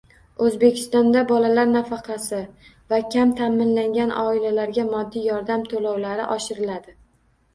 O‘zbekistonda bolalar nafaqasi va kam ta’minlangan oilalarga moddiy yordam to‘lovlari oshiriladi